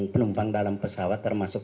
penumpang dalam pesawat termasuk